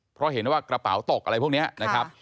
เพราะเห็นว่ากระเป๋าตกอะไรพวกนี้นะครับ